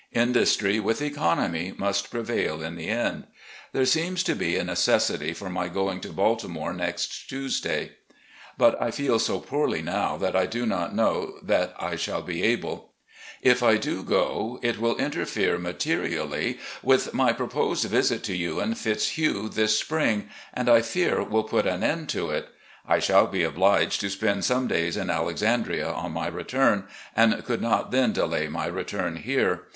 Industry with economy must prevail in the end. There seems to be a necessity for my going to Baltimore next Tuesday, but I feel so poorly now that I do not know that I shall be able. If I do go, it will interfere materially with my proposed visit to you and Fitzhugh this spring, and I fear will put an end to it. I shall be obliged to spend some days in Alexandria on my return, and could not then delay, my return here.